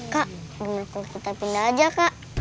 kak gimana kita pindah aja kak